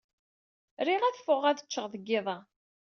Riɣ ad ffɣeɣ ad ččeɣ deg yiḍ-a.